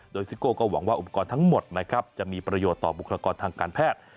โดยซิโก้ก็หวังว่าอุปกรณ์ทั้งหมดนะครับจะมีประโยชน์ต่อบุคลากรทางการแพทย์